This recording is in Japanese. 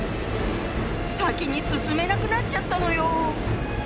先に進めなくなっちゃったのよ！